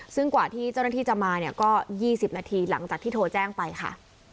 ซึ่งกว่าที่เจ้าหน้าที่จะมาเนี่ยก็๒๐นาทีหลังจากที่โทรแจ้งไปค่ะ